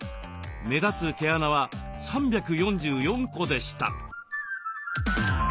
目立つ毛穴は３４４個でした。